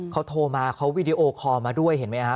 เขาโทรมาเขาวีดีโอคอลมาด้วยเห็นไหมฮะ